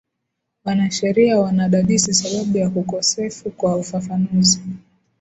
wanasheria wanadadisi sababu ya kukosefu kwa ufafanuzi